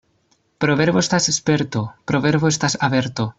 Proverbo estas sperto, proverbo estas averto.